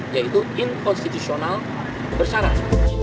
yaitu inkonstitusional bersarang